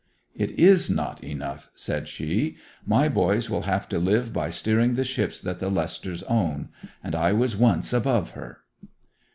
'It is not enough,' said she. 'My boys will have to live by steering the ships that the Lesters own; and I was once above her!